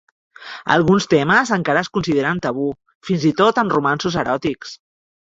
Alguns temes encara es consideren tabú, fins i tot amb romanços eròtics.